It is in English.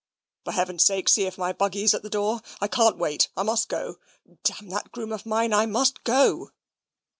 "For heaven's sake see if my buggy's at the door. I CAN'T wait. I must go. D that groom of mine. I must go."